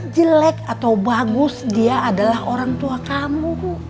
jelek atau bagus dia adalah orang tua kamu